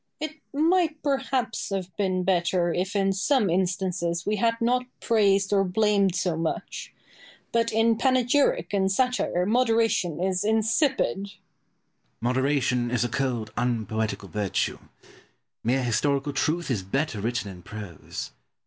Boileau. It might perhaps have been better if in some instances we had not praised or blamed so much. But in panegyric and satire moderation is insipid. Pope. Moderation is a cold unpoetical virtue. Mere historical truth is better written in prose.